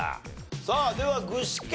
さあでは具志堅さん。